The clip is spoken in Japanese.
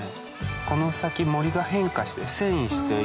この先森が変化して遷移していく。